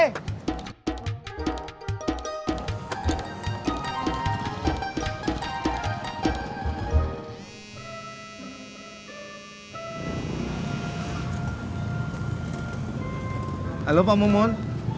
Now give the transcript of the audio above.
halo pak mumun